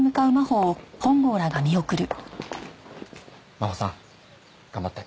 マホさん頑張って。